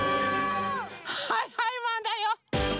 はいはいマンだよ。